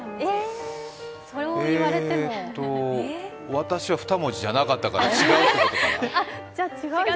私は２文字じゃなかったから違うってことかな？